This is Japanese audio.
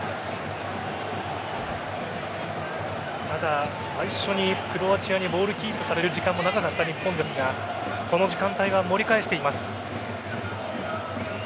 ただ、最初にクロアチアにボールキープされる時間も長かった日本ですがこの時間、盛り返しています。